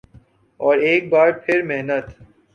اورایک بار پھر محنت